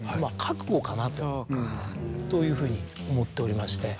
かなというふうに思っておりまして。